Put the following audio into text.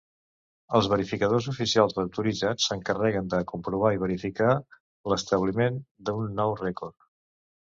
Els verificadors oficials autoritzats s'encarreguen de comprovar i verificar l'establiment d'un nou rècord.